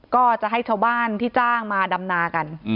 ก็จะให้ชาวบ้านที่จ้างมาดำนากัน